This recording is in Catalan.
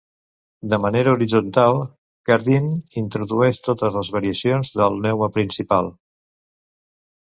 De manera horitzontal, Cardine introdueix totes les variacions del neuma principal.